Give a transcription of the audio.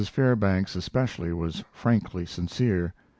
Fairbanks especially was frankly sincere.